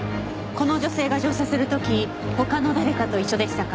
この女性が乗車する時他の誰かと一緒でしたか？